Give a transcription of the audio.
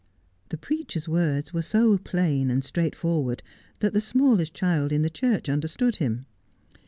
; The preacher's words were so plain and straightforward that the smallest child in the church understood him.